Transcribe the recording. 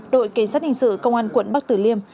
đội kỳ sát hình sự công an quận bắc tử liêm